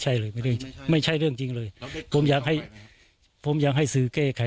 ใช่เลยไม่ได้ไม่ใช่เรื่องจริงเลยผมอยากให้ผมอยากให้สื่อแก้ไข